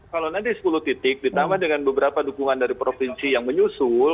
kalau nanti sepuluh titik ditambah dengan beberapa dukungan dari provinsi yang menyusul